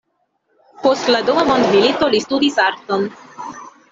Post la dua mondmilito li studis arton.